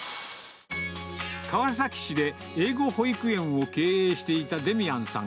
川崎市で英語保育園を経営していたデミアンさん。